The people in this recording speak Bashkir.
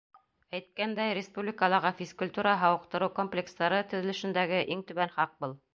Әйткәндәй, республикалағы физкультура-һауыҡтырыу комплекстары төҙөлөшөндәге иң түбән хаҡ был.